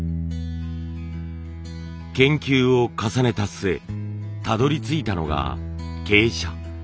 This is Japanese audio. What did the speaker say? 研究を重ねた末たどりついたのがけい砂。